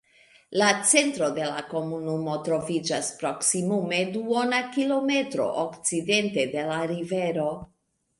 La centro de la komunumo troviĝas proksimume duona kilometro okcidente de la rivero.